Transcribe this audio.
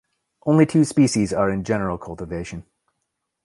Only two species are in general cultivation.